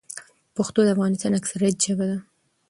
پښتو د افغانستان اکثريت ژبه ده.